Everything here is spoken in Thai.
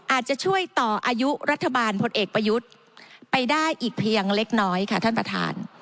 อาจจะช่วยต่ออายุรัฐบาลพลเอกประยุทธ์ไปได้อีกเพียงเล็กน้อยค่ะท่านประธาน